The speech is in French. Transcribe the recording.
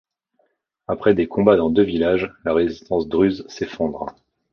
Après des combats dans deux villages, la résistance druze s'effondre.